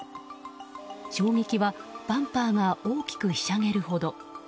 衝撃はバンパーが大きくひしゃげるほど。